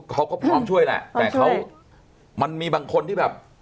เขาก็พร้อมช่วยแหละแต่เขามันมีบางคนที่แบบ